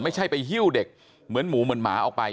ไม่ใช่ไปหิ้วเด็กเหมือนหมูเหมือนหมาออกไป